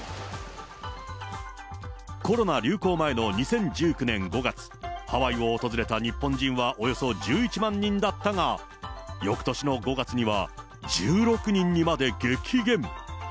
コロナ流行前の２０１９年５月、ハワイを訪れた日本人はおよそ１１万人だったが、よくとしの５月には、１６人にまで激減。